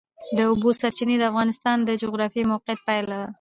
د اوبو سرچینې د افغانستان د جغرافیایي موقیعت پایله ده.